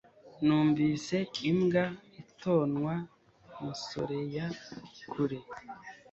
Numvise imbwa itonwa musorea kure